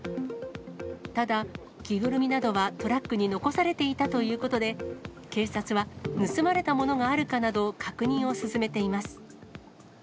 ただ、着ぐるみなどはトラックに残されていたということで、警察は盗まれたものがあるかなど、確認を進めています。